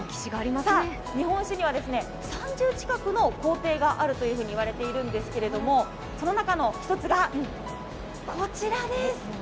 日本酒には３０近くの工程があると言われているんですけれども、その中の１つが、こちらです。